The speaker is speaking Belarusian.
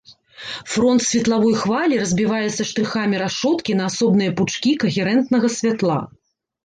Фронт светлавой хвалі разбіваецца штрыхамі рашоткі на асобныя пучкі кагерэнтнага святла.